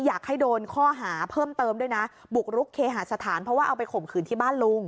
อยากให้โดนข้อหาเพิ่มเติมด้วยนะบุกรุกเคหาสถานเพราะว่าเอาไปข่มขืนที่บ้านลุง